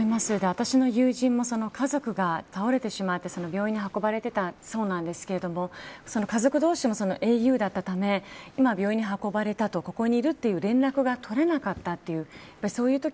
私の友人も家族が倒れてしまって病院に運ばれてたそうなんですけど家族同士もａｕだったため今、病院に運ばれてここにいるという連絡が取れなかったと。